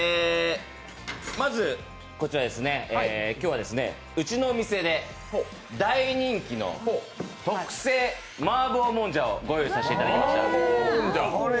まずこちらですね、今日はうちのお店で大人気の特製マーボーもんじゃを用意させていただきました。